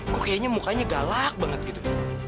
kok kayaknya mukanya galak banget gitu